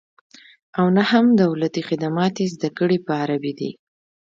او نه هم دولتي خدمات یې زده کړې په عربي دي